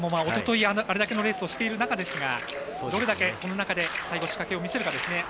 おととい、あれだけのレースをしている中ですがどれだけ、その中で最後仕掛けを見せるか。